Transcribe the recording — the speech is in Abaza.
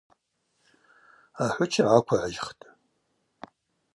Ахӏвыча гӏаквыгӏжьхтӏ.